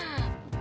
eh aku mau nyari